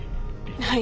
はい。